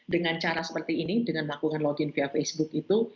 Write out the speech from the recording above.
dengan cara seperti ini dengan melakukan login via facebook itu